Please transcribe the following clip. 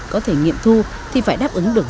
có thể nghiệm thu thì phải đáp ứng được